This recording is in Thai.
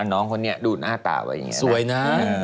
น้องคนนี้ดูหน้าตาไว้อย่างนี้สวยนะ